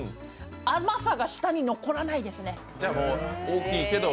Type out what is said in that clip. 甘さが舌に残らないですね。